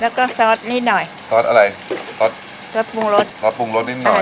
แล้วก็ซอสนิดหน่อยซอสอะไรซอสซอสปรุงรสซอสปรุงรสนิดหน่อย